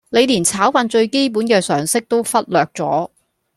你連炒飯最基本嘅常識都忽略咗